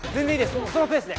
そのペースで。